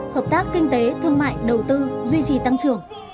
hợp tác kinh tế thương mại đầu tư duy trì tăng trưởng